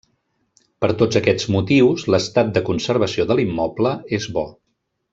Per tots aquests motius, l'estat de conservació de l'immoble és bo.